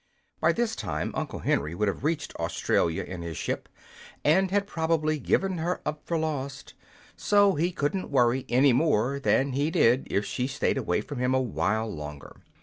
By this time Uncle Henry would have reached Australia in his ship, and had probably given her up for lost; so he couldn't worry any more than he did if she stayed away from him a while longer.